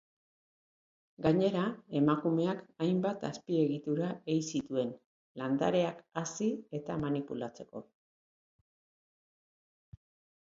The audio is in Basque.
Gainera, emakumeak hainbat azpiegitura ei zituen, landareak hazi eta manipulatzeko.